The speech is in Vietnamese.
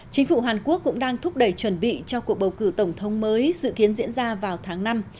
chính phủ hàn quốc cũng đang thúc đẩy chuẩn bị cho cuộc bầu cử tổng thống mới dự kiến diễn ra vào tháng năm